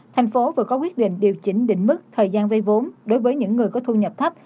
thành phố vừa có quyết định điều chỉnh định mức thời gian vay vốn đối với những người có thu nhập thấp